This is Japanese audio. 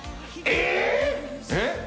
えっ！